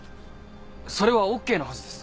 それはＯＫなはずです。